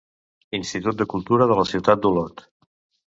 Institut de Cultura de la Ciutat d'Olot.